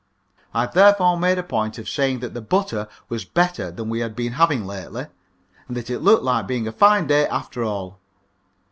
I therefore made a point of saying that the butter was better than we had been having lately, and that it looked like being a fine day after all.